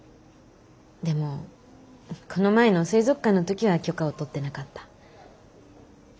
でもこの前の水族館の時は許可を取ってなかった。